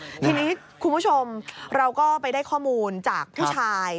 ทีนี้คุณผู้ชมเราก็ไปได้ข้อมูลจากผู้ชาย